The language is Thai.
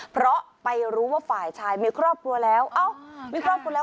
เพราะไปรู้ว่าฝ่ายชายมีครอบครัวแล้วเอ้ามีครอบครัวแล้ว